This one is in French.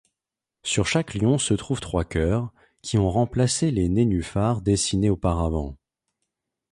Sur chaque lion se trouvent trois cœurs, qui ont remplacé les nénuphars dessinés auparavant.